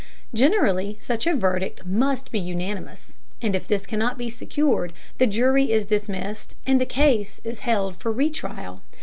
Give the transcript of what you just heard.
Generally such a verdict must be unanimous, and if this cannot be secured, the jury is dismissed and the case is held for re trial.